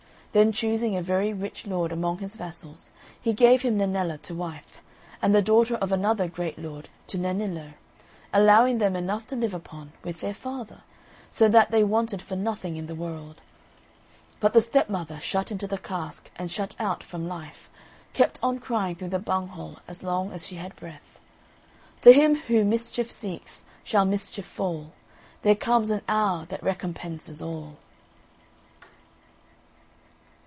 Then choosing a very rich lord among his vassals, he gave him Nennella to wife, and the daughter of another great lord to Nennillo; allowing them enough to live upon, with their father, so that they wanted for nothing in the world. But the stepmother, shut into the cask and shut out from life, kept on crying through the bunghole as long as she had breath "To him who mischief seeks, shall mischief fall; There comes an hour that recompenses all."